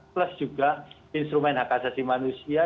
plus juga instrumen hak asasi manusia